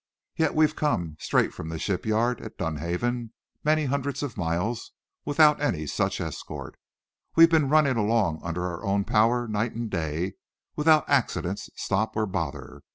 Yet we've come, straight from the shipyard at Dunhaven, many hundreds of miles, without any such escort. We've been running along under our own power, night and day, without accident, stop or bother.